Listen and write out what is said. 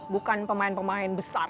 bukan pemain pemain besar